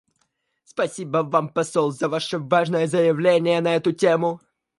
Спасибо Вам, посол, за Ваше важное заявление на эту тему.